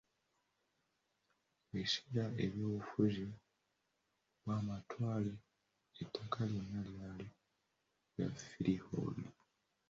Mu biseera by'obufuzi bw'amatwale ettaka lyonna lyali lya freehold.